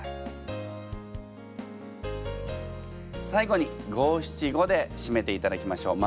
最後に五・七・五でしめていただきましょう。